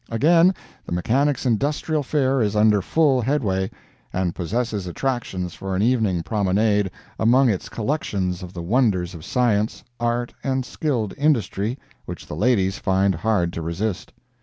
Again, the Mechanics' Industrial Fair is under full headway, and possesses attractions for an evening promenade among its collections of the wonders of science, art and skilled industry which the ladies find hard to resist.